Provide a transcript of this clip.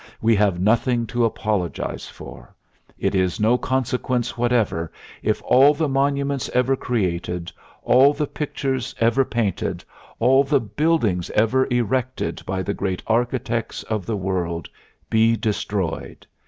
We have nothing to apologize for. It is no consequence whatever if all the monuments ever created, all the pictures ever painted, all the buildings ever erected by the great architects of the world, be destroyed....